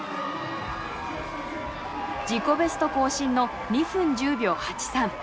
自己ベスト更新の２分１０秒８３。